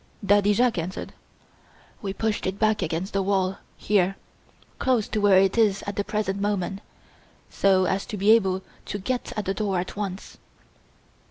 Daddy Jacques answered. "We pushed it back against the wall, here close to where it is at the present moment so as to be able to get at the door at once."